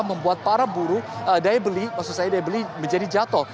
membuat para buruh daya beli maksud saya daya beli menjadi jatuh